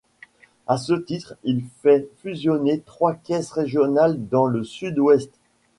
À ce titre, il fait fusionner trois caisses régionales dans le Sud-Ouest.